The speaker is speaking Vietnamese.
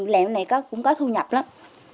làm cái này cũng có thu nhập lắm